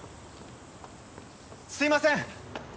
・・すいません！